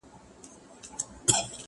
ما مي په اورغوي کي د فال نښي وژلي دي!!